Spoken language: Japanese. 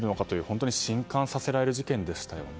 本当に震撼させられる事件でしたよね。